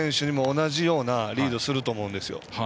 中川選手にも同じようなリードすると思うんですよ。